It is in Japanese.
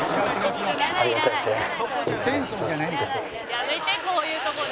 「やめてこういうとこで」